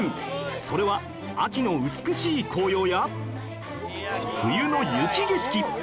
それは秋の美しい紅葉や冬の雪景色